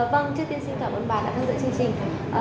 vâng trước tiên xin cảm ơn bà đã theo dõi chương trình